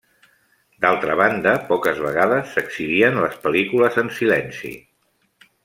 D'altra banda, poques vegades s'exhibien les pel·lícules en silenci.